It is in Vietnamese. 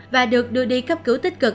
và được đưa đi cấp cứu tích cực